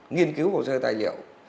nghiên cứu hồ sơ tài liệu